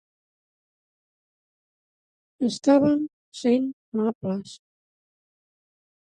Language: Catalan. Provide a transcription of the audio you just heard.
Estàvem sent amables.